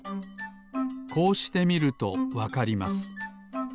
こうしてみるとわかります。